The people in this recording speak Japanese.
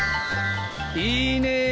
いいね！